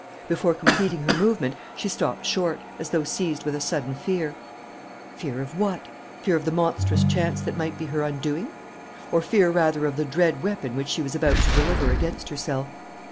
Before completing her movement, she stopped short, as though seized with a sudden fear.... Fear of what? Fear of the monstrous chance that might be her undoing? Or fear rather of the dread weapon which she was about to deliver against herself?